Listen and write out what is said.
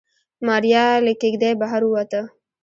ماريا له کېږدۍ بهر ووته.